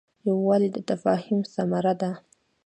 یووالی د تفاهم ثمره ده.